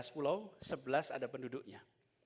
satu ratus sebelas pulau sebelas ada penduduknya